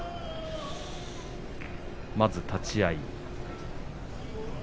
まず立ち合い。